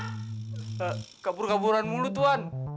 k kabur kaburan mulu tuhan